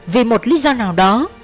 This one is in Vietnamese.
vì một lý do nào đó